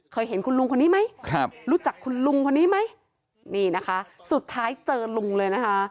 เห็นคุณลุงคนนี้ไหมครับรู้จักคุณลุงคนนี้ไหมนี่นะคะสุดท้ายเจอลุงเลยนะคะ